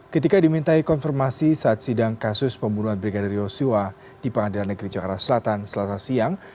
ketika dimintai konfirmasi saat sidang kasus pembunuhan brigadir yosua di pengadilan negeri jakarta selatan selasa siang